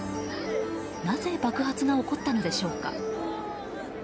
なぜ爆発が起こったのでしょうか。